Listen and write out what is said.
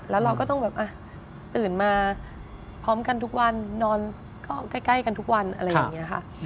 แล้วเราก็ต้องแบบตื่นมาพร้อมกันทุกวันนอนก็ใกล้กันทุกวันอะไรอย่างนี้ค่ะ